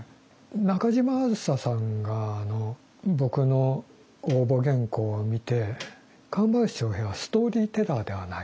中島梓さんが僕の応募原稿を見て神林長平はストーリー・テラーではないと。